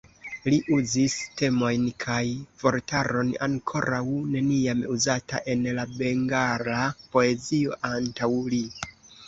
Li uzis temojn kaj vortaron ankoraŭ neniam uzata en la bengala poezio antaŭ li.